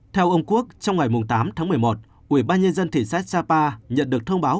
theo ông quốc trong ngày tám tháng một mươi một ubnd thị xã sapa nhận được thông báo